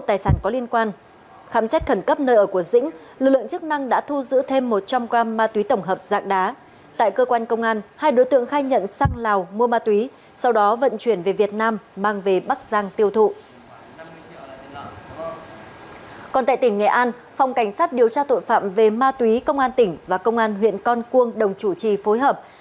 tại tỉnh nghệ an phòng cảnh sát điều tra tội phạm về ma túy công an tỉnh và công an huyện con cuông đồng chủ trì phối hợp